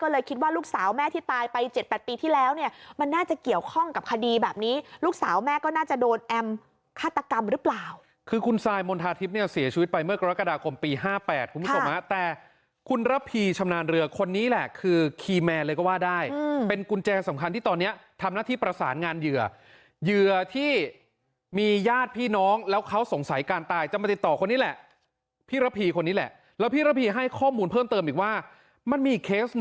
เลยคิดว่าลูกสาวแม่ที่ตายไป๗๘ปีที่แล้วเนี่ยมันน่าจะเกี่ยวข้องกับคดีแบบนี้ลูกสาวแม่ก็น่าจะโดนแอมฆาตกรรมหรือเปล่าคือคุณซายมณฑาทิพย์เนี่ยเสียชีวิตไปเมื่อกรกฎากรมปี๕๘คุณผู้ชมนะแต่คุณระพีชำนาญเรือคนนี้แหละคือคีย์แมนเลยก็ว่าได้เป็นกุญแจสำคัญที่ตอนนี้ทำหน้าที่ประส